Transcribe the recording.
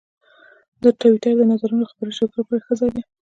ټویټر د نظرونو او خبرونو شریکولو لپاره ښه ځای دی.